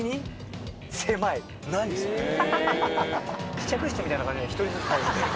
試着室みたいな感じで１人ずつ入るみたいな。